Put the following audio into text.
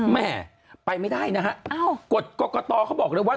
แม่ไปไม่ได้นะฮะกฎกรกตเขาบอกเลยว่า